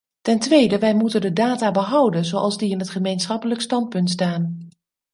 Ten tweede, wij moeten de data behouden zoals die in het gemeenschappelijk standpunt staan.